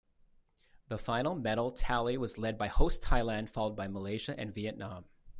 The final medal tally was led by host Thailand, followed by Malaysia and Vietnam.